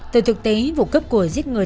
từ thực tế vụ cấp của giết người